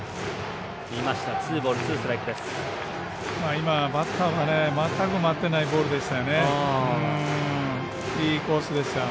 今バッターが全く待ってないボールでしたね。